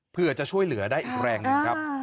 เพื่อจะช่วยเหลือได้อีกแรงหนึ่งครับ